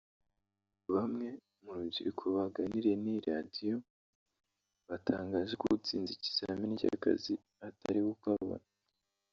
Bamwe mu rubyiruko baganiriye n’iyi radio batangaje ko utsinze ikizamini cy’akazi atari we ukabona